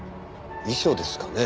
遺書ですかね？